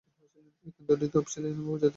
এই কেন্দ্রটি তফসিলী উপজাতি এর জন্য সংরক্ষিত।